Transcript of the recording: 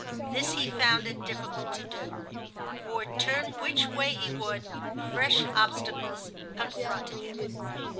This he found it difficult to do, for, turn which way he would, fresh obstacles confronted him.